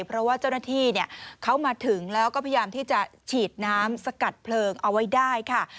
เพราะว่าเจ้าหน้าที่เขามาถึงแล้วก็พยายามที่จะฉีดน้ำสกัดเพลิงเอาไว้ได้ค่ะ